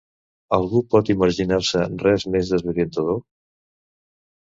Algú pot imaginar-se res més desorientador?